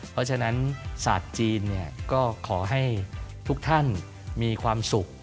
เพราะฉะนั้นศาสตร์จีนก็ขอให้ทุกท่านมีความสุข